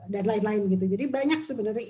dan lain lain jadi banyak sebenarnya